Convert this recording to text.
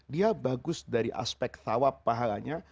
dia bagus dari aspek tawab pahalanya